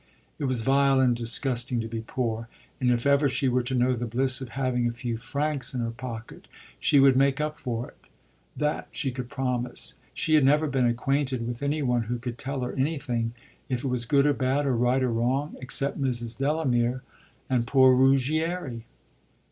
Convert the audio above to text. It was vile and disgusting to be poor, and if ever she were to know the bliss of having a few francs in her pocket she would make up for it that she could promise! She had never been acquainted with any one who could tell her anything if it was good or bad or right or wrong except Mrs. Delamere and poor Ruggieri.